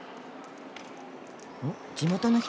おっ地元の人。